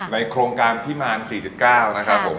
โครงการพิมาร๔๙นะครับผม